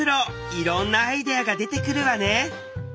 いろんなアイデアが出てくるわね。